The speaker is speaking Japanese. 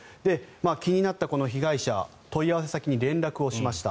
気になったこの被害者問い合わせ先に連絡をしました。